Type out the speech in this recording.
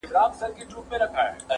چي د ده عاید څو چنده دا علت دی,